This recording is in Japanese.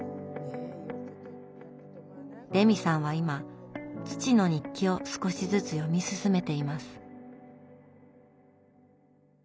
レミさんは今父の日記を少しずつ読み進めています。